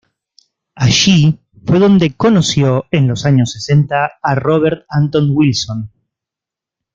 Allí fue donde conoció, en los años sesenta, a Robert Anton Wilson.